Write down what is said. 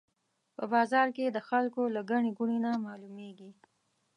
په بازار کې د خلکو له ګڼې ګوڼې نه معلومېږي.